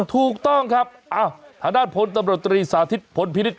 ถูกต้องครับถนาทธนาภนตรศิริสาธิตฐ์ภนภิริษฐ์